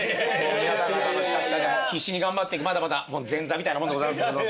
皆さん方の下々で必死に頑張ってまだまだ前座みたいなもんでございます。